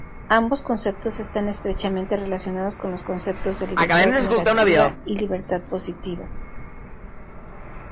Ambos conceptos están estrechamente relacionados con los conceptos de libertad negativa y libertad positiva.